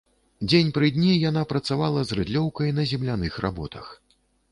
Дзень пры дні яна працавала з рыдлёўкай на земляных работах.